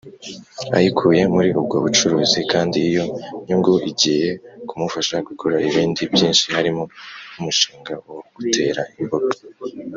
ayikuye muri ubwo bucuruzi kandi iyo nyungu igiye kumufasha gukora ibindi byinshi harimo nkumushinga wo gutera imboga.